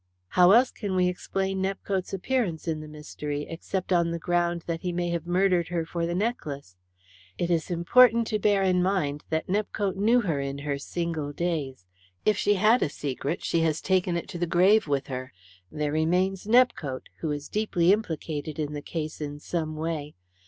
"How else can we explain Nepcote's appearance in the mystery, except on the ground that he may have murdered her for the necklace? It is important to bear in mind that Nepcote knew her in her single days. If she had a secret she has taken it to the grave with her. There remains Nepcote, who is deeply implicated in the case in some way.